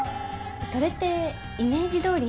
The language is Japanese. それってイメージどおり。